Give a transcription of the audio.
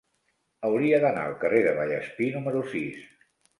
Hauria d'anar al carrer de Vallespir número sis.